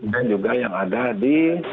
juga yang ada di